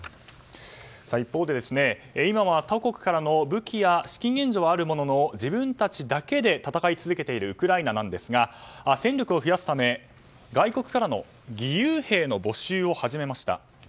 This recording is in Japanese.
一方で、今は他国からの武器や資金援助はあるものの自分たちだけで戦い続けているウクライナなんですが戦力を増やすため外国からの義勇兵の募集を始めました。